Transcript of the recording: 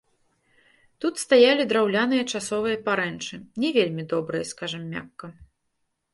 Тут стаялі драўляныя часовыя парэнчы, не вельмі добрыя, скажам мякка.